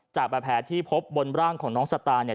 จากบาดแผลที่พบบนร่างของน้องสตาร์เนี่ย